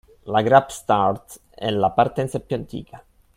La grap start è la partenza più antica